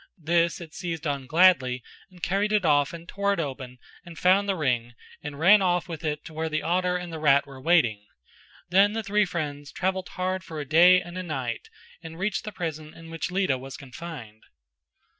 This it seized on gladly and carried it off and tore it open and found the ring and ran off with it to where the otter and the rat were waiting. Then the three friends travelled hard for a day and a night and reached the prison in which Lita was confined.